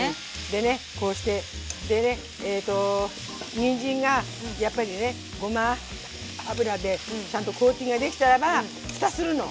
でねこうしてでねえとにんじんがやっぱりねごま油でちゃんとコーティングができたらば蓋するの。